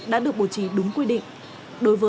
đã được bố trí đúng quy định